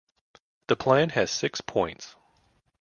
The plan has six points.